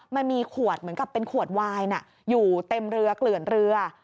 มันมีขวดเหมือนกับเป็นขวดวายอยู่เต็มเรือเกลื่อนเรือ